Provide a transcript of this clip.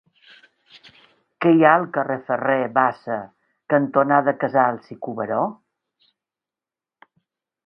Què hi ha al carrer Ferrer Bassa cantonada Casals i Cuberó?